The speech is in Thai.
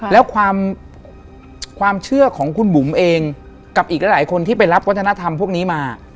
แล้วความเชื่อของคุณบุ๋มเองกับอีกหลายคนที่ไปรับวัฒนธรรมพวกนี้มา